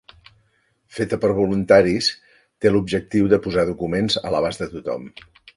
Feta per voluntaris, té l'objectiu de posar documents a l'abast de tothom.